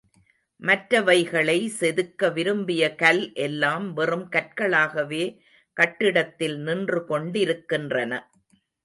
மற்றவைகளை செதுக்க விரும்பிய கல் எல்லாம் வெறும் கற்களாகவே கட்டிடத்தில் நின்று கொண்டிருக்கின்றன.